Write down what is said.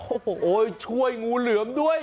โอ้โหช่วยงูเหลือมด้วย